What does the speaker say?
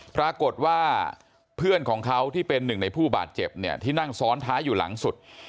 ปรากฏว่าเพื่อนของเขาที่เป็นหนึ่งในผู้บาดเจ็บเนี่ยที่นั่งซ้อนท้ายอยู่หลังสุด